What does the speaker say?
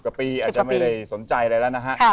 กว่าปีอาจจะไม่ได้สนใจอะไรแล้วนะฮะ